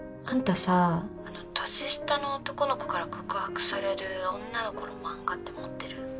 あんたさ年下の男の子から告白される女の子の漫画って持ってる？